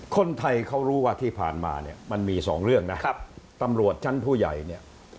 คนไทยเขารู้ว่าที่ผ่านมาเนี่ยมันมีสองเรื่องนะครับตำรวจชั้นผู้ใหญ่เนี่ย